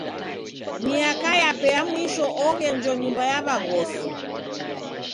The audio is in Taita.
Miaka yape ya mwisho oghenjwa nyumba ya w'aghosi.